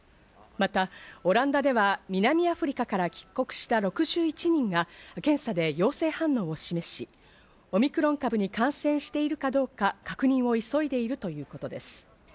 またオランダでは南アフリカから帰国した６１人が検査で陽性反応を示し、オミクロン株に感染してるかどうか確認を急いでいるということです。